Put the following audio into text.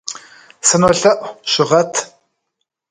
Сынолъэӏу, щыгъэт.